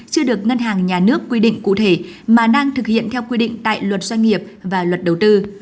chưa được ngân hàng nhà nước quy định cụ thể mà đang thực hiện theo quy định tại luật doanh nghiệp và luật đầu tư